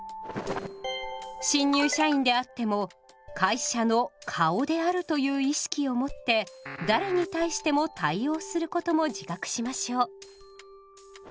新入社員であっても会社の顔であるという意識をもって誰に対しても対応することも自覚しましょう。